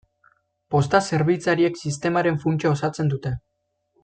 Posta-zerbitzariek sistemaren funtsa osatzen dute.